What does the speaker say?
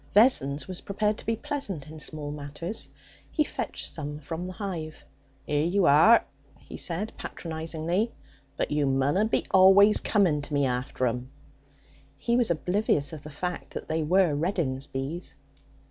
Vessons was prepared to be pleasant in small matters. He fetched some from the hive. ''Ere you are,' he said patronizingly; 'but you munna be always coming to me after 'em.' He was oblivious of the fact that they were Reddin's bees.